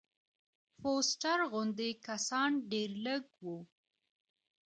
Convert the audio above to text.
فوسټر غوندې کسان ډېر لږ وو.